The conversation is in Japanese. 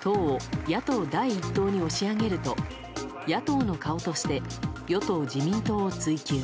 党を野党第１党に押し上げると野党の顔として与党・自民党を追及。